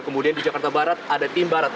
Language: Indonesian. kemudian di jakarta barat ada tim barat